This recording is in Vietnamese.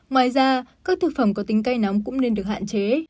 ngoài ra các thực phẩm có tính cây nóng cũng nên được hạn chế